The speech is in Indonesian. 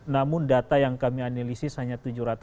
namun data yang kami analisis hanya tujuh ratus enam puluh tiga